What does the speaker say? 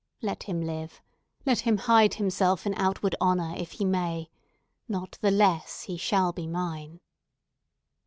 Let him live! Let him hide himself in outward honour, if he may! Not the less he shall be mine!"